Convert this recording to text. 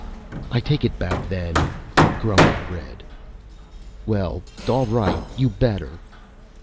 "I take it back, then," grumbled Red. "Well, all right. You better."